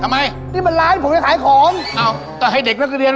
ไม่อยากเข้าโรงเรียน